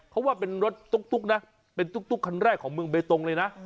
เขาว่าเป็นรถตุ๊กนะเป็นตุ๊กคันแรกของเมืองเบตงเลยนะ